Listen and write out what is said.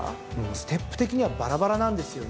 ステップ的にはバラバラなんですよね。